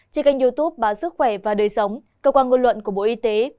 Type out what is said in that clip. trên kênh youtube báo sức khỏe và đời sống cơ quan ngôn luận của bộ y tế